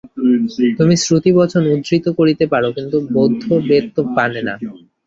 তুমি শ্রুতিবচন উদ্ধৃত করিতে পার, কিন্তু বৌদ্ধ তো বেদ মানে না।